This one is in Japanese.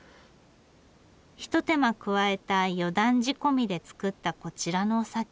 ひと手間加えた四段仕込みで造ったこちらのお酒。